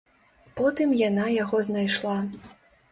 Потым яна яго знайшла.